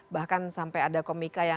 bahkan sampai ada komika yang